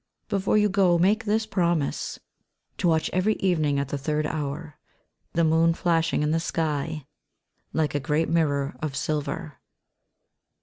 Before you go, make this promise — To watch every evening at the third hour The moon flashing in the sky Like a great mirror of silver.